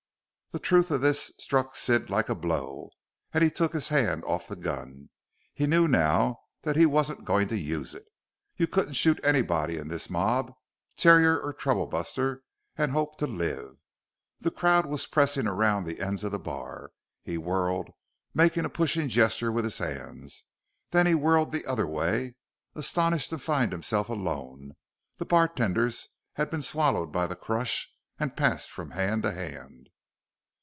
The truth of this struck Sid like a blow, and he took his hand off the gun. He knew now that he wasn't going to use it. You couldn't shoot anybody in this mob, terrier or troublebuster, and hope to live. The crowd was pressing around the ends of the bar. He whirled, making a pushing gesture with his hands; then he whirled the other way, astonished to find himself alone; the bartenders had been swallowed by the crush and passed from hand to hand.